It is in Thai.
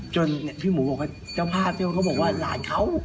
พี่หมูบอกว่าเจ้าภาพซึ่งเขาบอกว่าหลานเขา